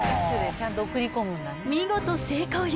見事成功よ！